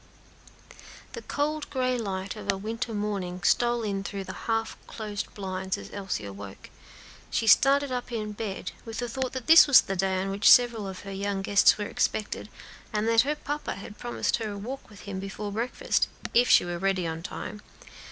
The cold gray light of a winter morning was stealing in through the half closed blinds as Elsie awoke, and started up in bed, with the thought that this was the day on which several of her young guests were expected, and that her papa had promised her a walk with him before breakfast, if she were ready in time.